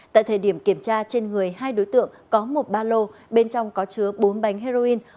tại thời điểm kiểm tra trên người hai đối tượng có một ba lô bên trong có chứa bốn bánh heroin